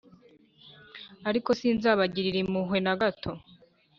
ariko sinzabagirira impuhwe na gato